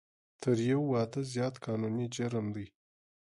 تر یو واده زیات قانوني جرم دی